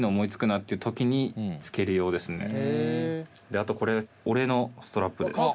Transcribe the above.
であとこれ俺のストラップです。